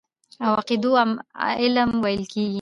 او عقيدو علم ويل کېږي.